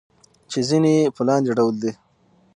چې ځينې يې په لاندې ډول دي: